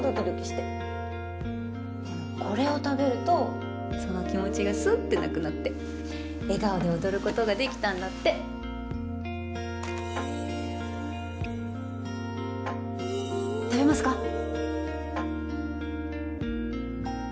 でもこれを食べるとその気持ちがスッてなくなって笑顔で踊ることができたんだって食べますか？